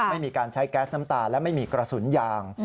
ไม่มีการใช้แก๊สน้ำตาและไม่มีกระสุนยาง